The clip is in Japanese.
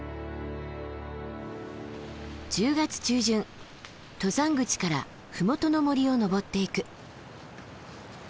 １０月中旬登山口から麓の森を登っていく。